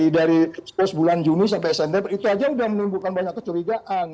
dari bulan juni sampai september itu aja sudah menimbulkan banyak kecurigaan